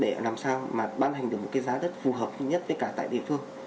để làm sao mà ban hành được một cái giá đất phù hợp nhất với cả tại địa phương